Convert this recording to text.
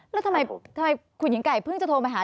แล้วทำไมคุณหญิงไก่เพิ่งจะโทรมาหา